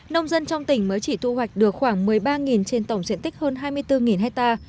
nông dân trong tỉnh mới chỉ thu hoạch được khoảng một mươi ba trên tổng diện tích hơn hai mươi bốn hectare